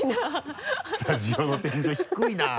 スタジオの天井低いなぁ。